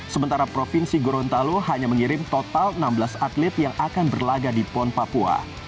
sementara provinsi gorontalo hanya mengirim total enam belas atlet yang akan berlaga di pon papua